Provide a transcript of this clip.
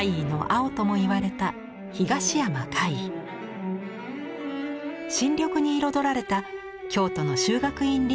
新緑に彩られた京都の修学院離宮の風景。